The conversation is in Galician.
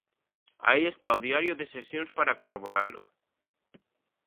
Aí está o Diario de Sesións para corroboralo.